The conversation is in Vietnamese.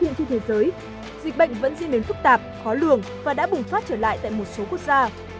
trên thế giới dịch bệnh vẫn diễn biến phức tạp khó lường và đã bùng phát trở lại tại một số quốc gia